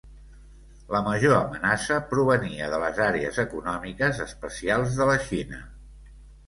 La major amenaça provenia de les Àrees Econòmiques Especials de la Xina.